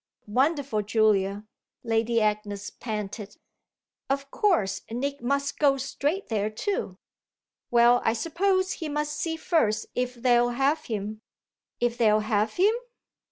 "Wonderful Julia!" Lady Agnes panted. "Of course Nick must go straight there too." "Well, I suppose he must see first if they'll have him." "If they'll have him?